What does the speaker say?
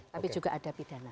tapi juga ada pidana